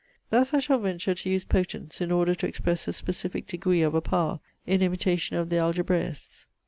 Thus I shall venture to use potence, in order to express a specific degree of a power, in imitation of the Algebraists.